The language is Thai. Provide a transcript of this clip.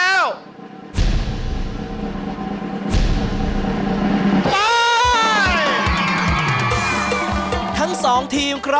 สวัสดีค่ะ